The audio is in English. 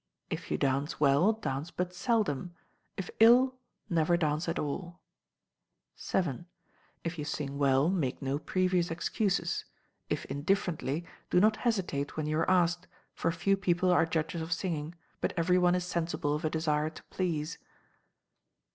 If you dance well, dance but seldom; if ill, never dance at all. vii. If you sing well, make no previous excuses: if indifferently, do not hesitate when you are asked, for few people are judges of singing, but every one is sensible of a desire to please.